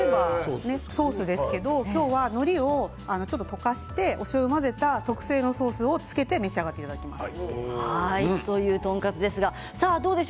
そうですけど今日はのりを溶かしておしょうゆを混ぜた特製のソースをつけて召し上がっていただきます。